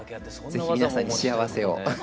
是非皆さんに幸せを。